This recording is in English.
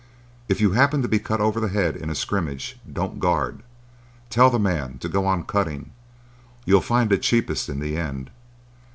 "If you happen to be cut over the head in a scrimmage, don't guard. Tell the man to go on cutting. You'll find it cheapest in the end.